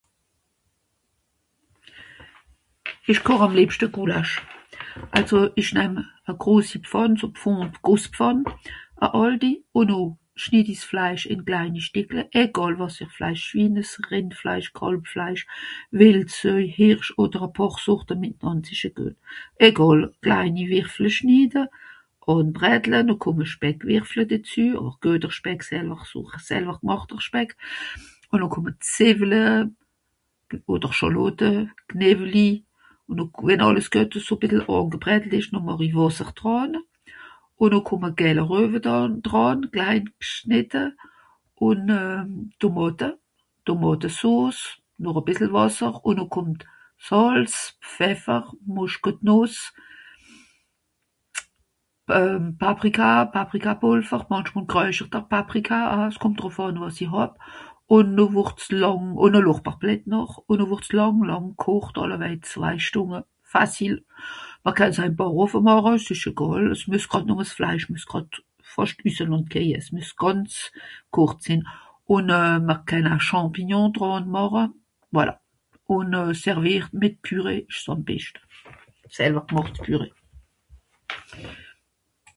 Ìch koch àm lìebschte Goulasch. Àlso ìch nemm e grosi Pfànn so (...). E àlti, ùn noh schnid i s'Fleisch ìn kleini Stìckle, egàl wàs fer Fleisch, Schwinnes, Rìndfleisch, Kàlbleisch, Wìldsöi, Hìrsch odder e pààr Sorte mìtnànd s'ìsch oe guet. Egàl. Kleini wìrfle schnide, (...) noh kùmme Speckwìrfle dezü, àwer gueter Speck selwer so... selwer gmàchter Speck. Ùn noh kùmme Zìwwle, odder Schàlotte, Knewli, ùn noh... wenn àlles guet eso bìssel (...) noh màch i Wàsser dràn. Ùn noh kùmme Gällruewe dànn... dràn klein gschnìtte. Ùn euh... Tomàte, Tomàtesos, noch e bìssel Wàsser, ùn noh kùmmt Sàlz, Pfeffer, Mùschketnùss, euh Paprika, Paprikapùlver, mànchmol groeischerter Paprika aa, s'kùmmt drùff àn wàs i hàb. Ùn wùrd's làng... Ùn e Lorbeerblätt noch. Ùn noh wùrd's làng làng kocht, àllewäj zwei Stùnge, facile. Mr kànn se ìm Bàchhoffe màche ìsch egàl, es mües gràd nùmme s'Fleisch mües gràd, (...) es mües gànz kocht sìnn. Ùn euh mìr kenne Champignon dràn màche, voilà. Ùn euh... servìert mìt Pürée ìsch àm beschte. Selwer gmàcht Pürée.